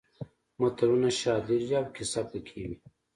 متلونه شالید لري او کیسه پکې وي